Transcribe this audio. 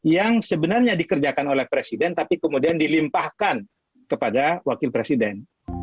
yang sebenarnya dikerjakan oleh presiden tapi kemudian dilimpahkan kepada wakil presiden